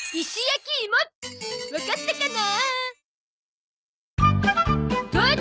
わかったかな？